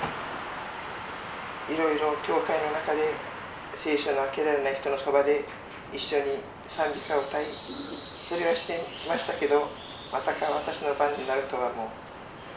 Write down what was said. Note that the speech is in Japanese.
いろいろ教会の中で聖書の開けられない人のそばで一緒に賛美歌を歌いそれはしてきましたけどまさか私の番になるとはもう想像もしていませんでした。